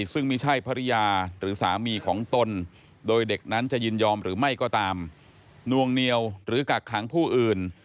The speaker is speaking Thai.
ซึ่งไม่ใช่ภรรยาหรือสามีของตนโดยเด็กนั้นจะยินยอมหรือไม่ก็ตามนวงเหนียวหรือกักขังผู้อื่น